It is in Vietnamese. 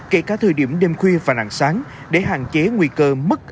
kể cả thời điểm đêm khuya và nặng sáng để hạn chế nguy cơ mất an toàn giao thông